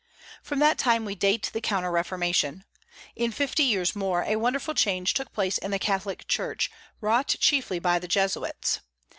From that time we date the counter reformation. In fifty years more a wonderful change took place in the Catholic Church, wrought chiefly by the Jesuits.